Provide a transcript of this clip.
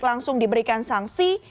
langsung diberikan sanksi